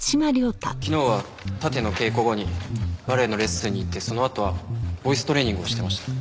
昨日は殺陣の稽古後にバレエのレッスンに行ってそのあとはボイストレーニングをしてました。